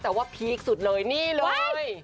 แต่ว่าพีคสุดเลยนี่เลย